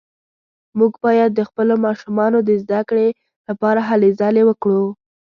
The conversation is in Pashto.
موږ باید د خپلو ماشومانو د زده کړې لپاره هلې ځلې وکړو